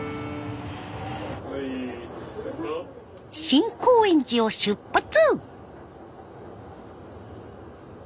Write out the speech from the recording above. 新高円寺を出発。